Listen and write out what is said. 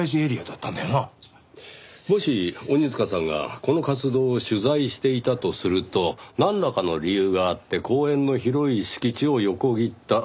もし鬼塚さんがこの活動を取材していたとするとなんらかの理由があって公園の広い敷地を横切ったという事でしょうかね。